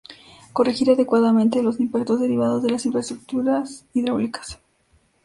Corregir adecuadamente los impactos derivados de las infraestructuras hidráulicas.